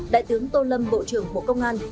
đại tướng tô lâm bộ trưởng bộ công an